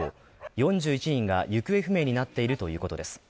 ４１人が行方不明になっているということです。